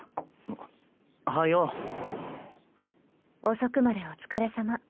遅くまでお疲れさま。